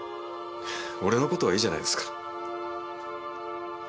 俺の事はいいじゃないですか。